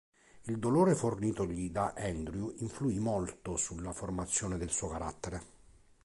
Il dolore fornitogli da Andrew influì molto sulla formazione del suo carattere.